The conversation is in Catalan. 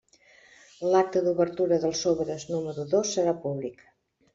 L'acte d'obertura dels sobres número dos serà públic.